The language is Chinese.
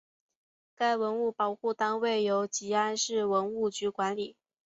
该文物保护单位由集安市文物局管理。